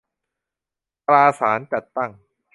ตราสารจัดตั้ง